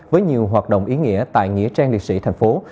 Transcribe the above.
với nhiều hoạt động ý nghĩa tại nghĩa trang liệt sĩ tp hcm